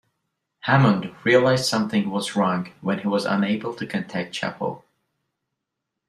Hammond realized something was wrong when he was unable to contact Chappelle.